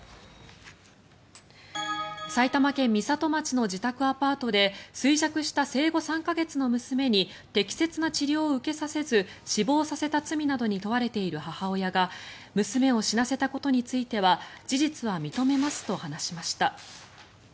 埼玉県美里町の自宅アパートで衰弱した生後３か月の娘に適切な治療を受けさせず死亡させた罪などに問われている母親が娘を死なせたことについては事実は認めますと話しました。